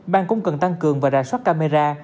bang cũng cần tăng cường và rà soát camera